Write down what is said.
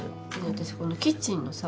私このキッチンのさ